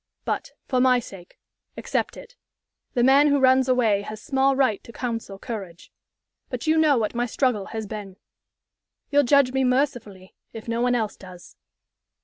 But, for my sake, accept it. The man who runs away has small right to counsel courage. But you know what my struggle has been. You'll judge me mercifully, if no one else does.